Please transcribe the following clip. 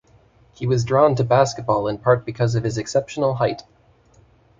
He was drawn to basketball in part because of his exceptional height.